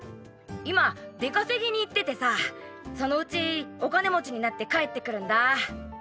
今出稼ぎに行っててさそのうちお金持ちになって帰ってくるんだー。